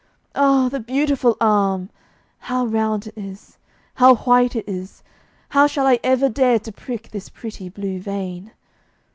Ah, the beautiful arm! How round it is! How white it is! How shall I ever dare to prick this pretty blue vein!